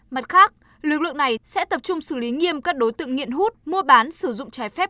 mặt khác lực lượng này sẽ tập trung xử lý nghiêm các đối tượng nghiện hút mua bán sử dụng trái phép